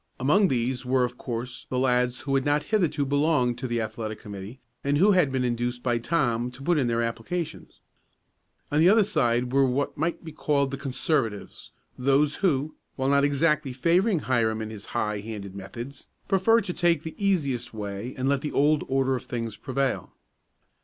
Among these were, of course, the lads who had not hitherto belonged to the athletic committee, and who had been induced by Tom to put in their applications. On the other side were what might be called the "conservatives," those who, while not exactly favoring Hiram and his high handed methods, preferred to take the easiest way and let the old order of things prevail.